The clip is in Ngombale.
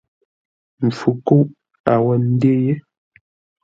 Mpfu kúʼ a wó ndê yé.